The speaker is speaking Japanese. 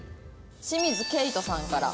清水彗斗さんから。